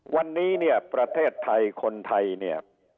วันนี้ประเทศไทยคนไทย